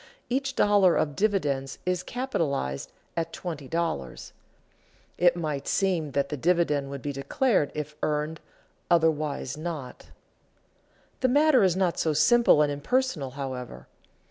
each dollar of dividends is capitalized at $20. It might seem that the dividend would be declared if earned, otherwise not. The matter is not so simple and impersonal, however.